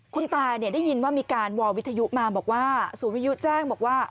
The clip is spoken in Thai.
คุณตาได้ยินว่ามีการวอลวิทยุมาบอกว่าสูงวิยุแจ้งบอกว่า